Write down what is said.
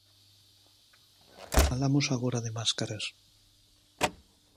Falamos agora de máscaras.